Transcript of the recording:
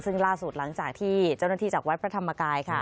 ซึ่งล่าสุดหลังจากที่เจ้าหน้าที่จากวัดพระธรรมกายค่ะ